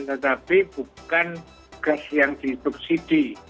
tetapi bukan gas yang disubsidi